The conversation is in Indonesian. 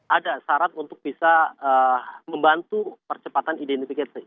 ada syarat untuk bisa membantu percepatan identifikasi